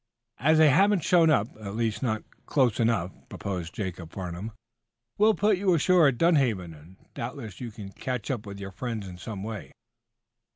"As they haven't shown up, at least, not close enough," proposed Jacob Farnum, "we'll put you ashore at Dunhaven, and doubtless you can catch up with your friends in some way."